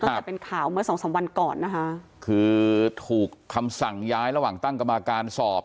ตั้งแต่เป็นข่าวเมื่อสองสามวันก่อนนะคะคือถูกคำสั่งย้ายระหว่างตั้งกรรมการสอบ